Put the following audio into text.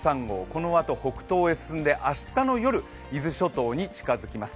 このあと北東へ進んで明日の夜伊豆諸島に近づきます。